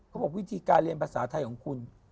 เขาบอกวิธีการเรียนภาษาไทยของคุณ